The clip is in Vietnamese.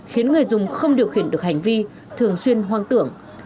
khiến người dùng không điều khiển được hành vi thường xuyên hoang tưởng